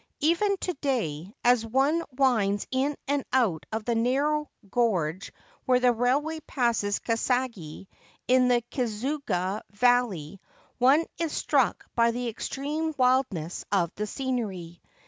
Even to day, as one winds in and out of the narrow gorge where the railway passes Kasagi, in the Kizugawa valley, one is struck by the extreme wildness of the scenery.